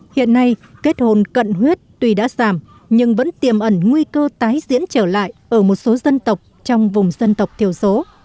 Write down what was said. hiện nay kết hôn cận huyết tuy đã giảm nhưng vẫn tiềm ẩn nguy cơ tái diễn trở lại ở một số dân tộc trong vùng dân tộc thiểu số